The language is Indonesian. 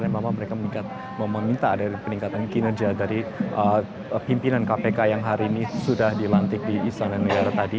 memang mereka meminta ada peningkatan kinerja dari pimpinan kpk yang hari ini sudah dilantik di istana negara tadi